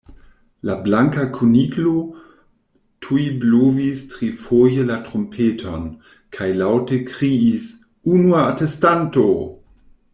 La Blanka Kuniklo tuj blovis trifoje la trumpeton, kaj laŭte kriis:"Unua atestanto!"